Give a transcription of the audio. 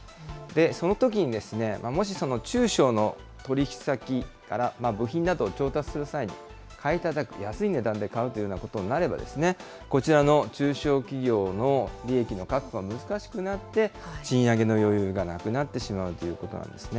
そのときに、もしその中小の取り引き先から部品などを調達する際に、買いたたく、安い値段で買うというようなことになれば、こちらの中小企業の利益の確保は難しくなって、賃上げの余裕がなくなってしまうということなんですね。